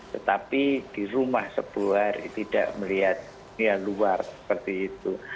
tetapi di rumah sebuah tidak melihat dunia luar seperti itu